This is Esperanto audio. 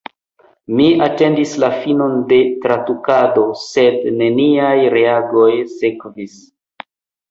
Mi atendis la finon de tradukado – sed neniaj reagoj sekvis.